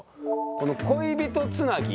この恋人つなぎ？